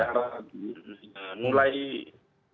cara mulai kerja